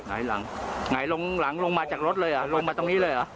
หงายหลังลงมาจากรถลงมาตรงนี้เลยหรอ